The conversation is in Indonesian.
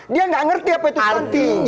dia gak ngerti apa itu stunting